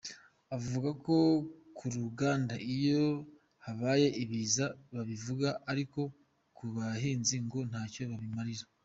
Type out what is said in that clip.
Avuga ko ku ruganda iyo habaye ibiza babivuga ariko ku bahinzi ngo ntacyo bibamarira.